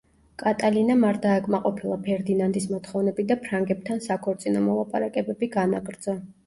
კატალინამ არ დააკმაყოფილა ფერდინანდის მოთხოვნები და ფრანგებთან საქორწინო მოლაპარაკებები განაგრძო.